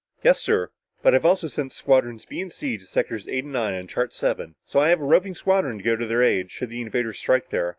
"Yes, sir. But I've also sent Squadrons B and C to sectors eight and nine on chart seven. So I have a roving squadron to go to their aid, should the invader strike there.